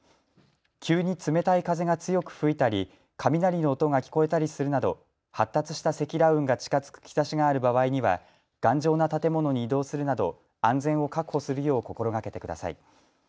急に冷たい風が強く吹いたり雷の音が聞こえたりするなど発達した積乱雲が近づく兆しがある場合には頑丈な建物に移動するなど安全を確保するよう心がけてください。